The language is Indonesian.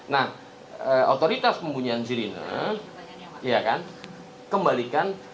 nah otoritas pembelian sirine kembalikan